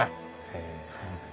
へえ。